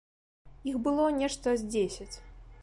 Іх было нешта з дзесяць.